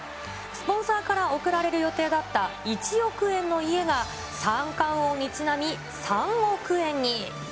スポンサーから贈られる予定だった１億円の家が、三冠王にちなみ、３億円に。